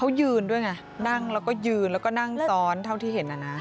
เขายืนด้วยไงนั่งแล้วก็ยืนแล้วก็นั่งซ้อนเท่าที่เห็นน่ะนะ